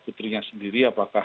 putrinya sendiri apakah